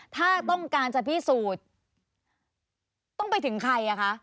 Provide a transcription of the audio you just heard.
ถ้าต้องการจะพิสูจน์ต้องไปถึงใครอ่ะคะ